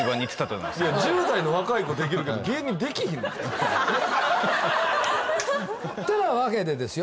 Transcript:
１０代の若い子できるけど芸人できひんの普通てなわけでですよ